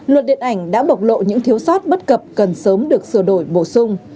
luật điện ảnh đã bộc lộ những thiếu sót bất cập cần sớm được sửa đổi bổ sung